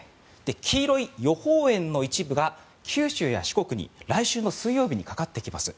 黄色い予報円の一部が九州や四国に来週の水曜日にかかってきます。